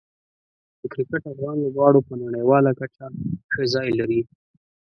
د کرکټ افغان لوبغاړو په نړیواله کچه ښه ځای لري.